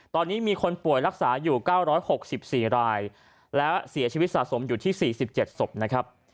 ตอนนี้มีคนป่วยรักษาอยู่๙๖๔รายและเสียชีวิตสะสมอยู่ที่๔๗ศพนะครับ